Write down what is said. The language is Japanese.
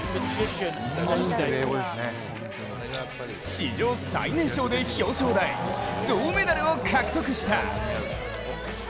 史上最年少で表彰台、銅メダルを獲得した。